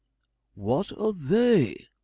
'What are they?'